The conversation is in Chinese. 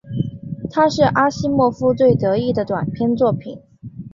它是阿西莫夫最得意的短篇作品。